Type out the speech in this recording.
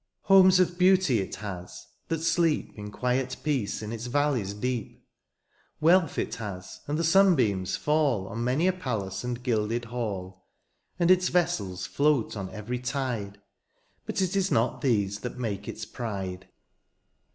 Homes of beauty it has^ that sleep In quiet peace in its valleys deep ; Wealth it has^ and the sunbeams fall On many a palace and gilded hall ; And its vessels float on every tide, But it is not these that make its pride.